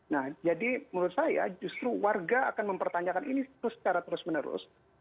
nah jadi menurut saya justru warga akan mempertanyakan ini secara terus menerus